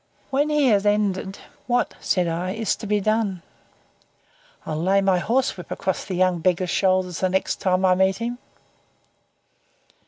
When he had ended, "What," said I, "is to be done?" "I'll lay my horsewhip across the young beggar's shoulders the next time I meet him."